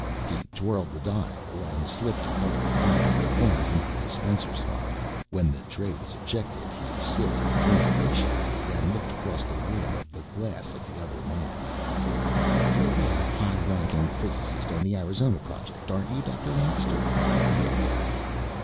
He twirled the dial and slipped a couple of five dollar coins into the dispenser slot. When the tray was ejected, he sipped his drink appreciatively and looked across the rim of the glass at the other man. "You're a high ranking physicist on the Arizona Project, aren't you, Dr. Lancaster?" he asked.